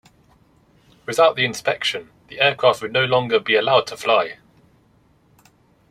Without the inspection, the aircraft would no longer be allowed to fly.